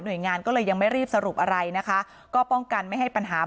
โดยงานก็เลยยังไม่รีบสรุปอะไรนะคะก็ป้องกันไม่ให้ปัญหา